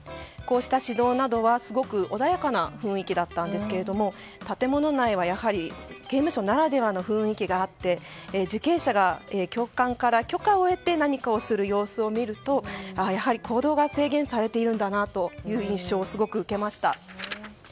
こうした指導などはすごく穏やかな雰囲気だったんですが建物内は刑務所ならではの雰囲気があって受刑者が教官から許可を得て何かをする様子を見るとやはり、行動が制限されているんだなという印象をすごく受けました。